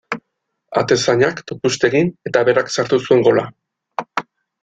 Atezainak tupust egin eta berak sartu zuen gola.